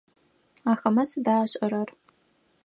Ахэмэ сыда ашӏэрэр?